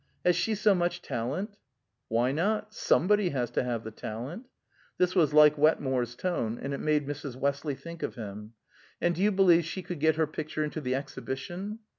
"Has she so much talent?" "Why not? Somebody has to have the talent." This was like Wetmore's tone, and it made Mrs. Westley think of him. "And do you believe she could get her picture into the exhibition?"